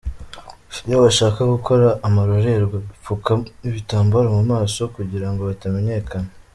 Iyo bashaka gukora amarorerwa bipfuka ibitambaro mu maso kugirango batamenyekana.